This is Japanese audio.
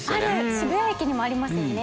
渋谷駅にもありますよね。